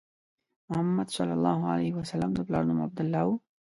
محمد صلی الله علیه وسلم د پلار نوم عبدالله و.